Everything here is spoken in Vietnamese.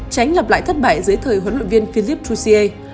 tránh lặp lại thất bại dưới thời huấn luyện viên philip chu xie